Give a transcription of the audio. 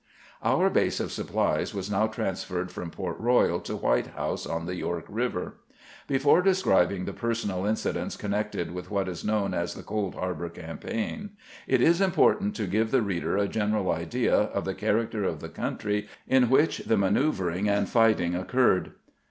..." Our base of supplies was now transferred from Port Eoyal to White House on the York River. Before describing the personal incidents connected with what is known as the Cold Harbor campaign, it is important to give the reader a general idea of the char acter of the country in which the manoeuvering and fighting occurred.